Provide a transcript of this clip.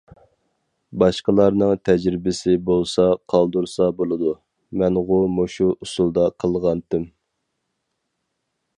باشقىلارنىڭ تەجرىبىسى بولسا قالدۇرسا بولىدۇ، مەنغۇ مۇشۇ ئۇسۇلدا قىلغانتىم.